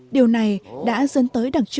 điều này đã dẫn tới đặc trưng